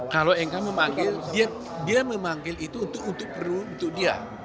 kalau nk memanggil dia memanggil itu untuk perlu untuk dia